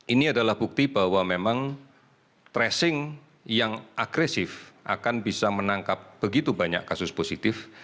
ini adalah bukti bahwa memang tracing yang agresif akan bisa menangkap begitu banyak kasus positif